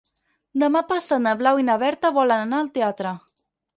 Demà passat na Blau i na Berta volen anar al teatre.